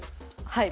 はい。